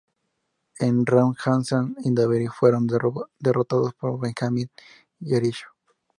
En Raw Hassan y Daivari fueron derrotados por Benjamin y Jericho.